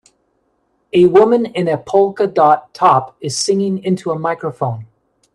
A woman in a polka dot top is singing into a microphone.